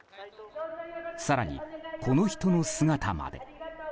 更に、この人の姿まで。